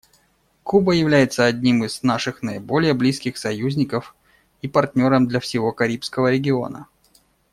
Куба является одним из наших наиболее близких союзников и партнером для всего Карибского региона.